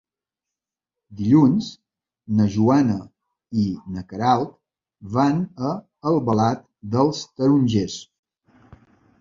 Dilluns na Joana i na Queralt van a Albalat dels Tarongers.